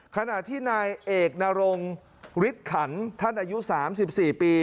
ขณะที่นายเอกนรงฤทธิ์ขันท่านอายุ๓๔ปี